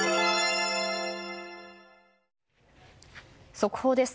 速報です。